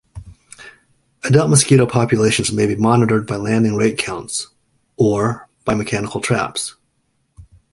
Adult mosquito populations may be monitored by landing rate counts, or by mechanical traps.